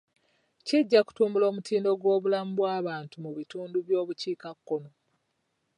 Kijja kutumbula omutindo gw'obulamu bw'abantu mu bitundu by'obukiikakkono.